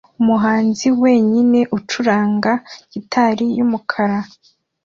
Umuhanzi wenyine ucuranga gitari yumukara